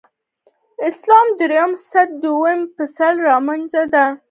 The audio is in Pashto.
اسلام درېمه سطح دویمې پسې رامنځته شوه.